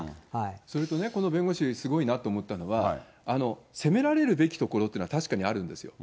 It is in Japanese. それとね、この弁護士、すごいなと思ったのは、責められるべきところっていうのは確かにあるんですよ。